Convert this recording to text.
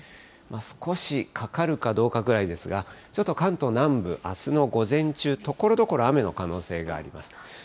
少しかかるかどうかぐらいですが、ちょっと関東南部、あすの午前中、ところどころ雨の可能性があります。